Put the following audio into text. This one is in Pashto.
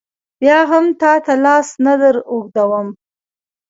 بیا هم تا ته لاس نه در اوږدوم.